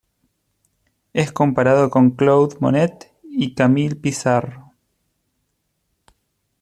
Es comparado con Claude Monet y Camille Pissarro.